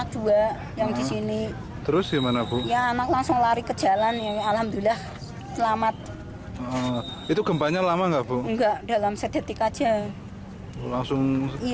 dekat gitu aja langsung